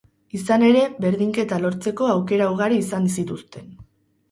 Izan ere, berdinketa lortzeko aukera ugari izan zituzten.